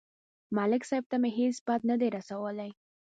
ملک صاحب ته مې هېڅ بد نه دي رسولي